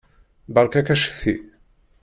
Beṛka-k acetki.